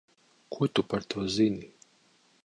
Ko tu par to zini?